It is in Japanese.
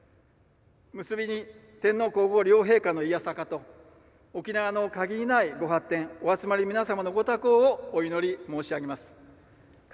結びに、天皇皇后両陛下の弥栄と沖縄の限りない御発展お集まりの皆様の御多幸をお祈り申し上げます。